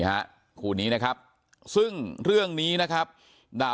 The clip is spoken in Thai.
เพราะไม่เคยถามลูกสาวนะว่าไปทำธุรกิจแบบไหนอะไรยังไง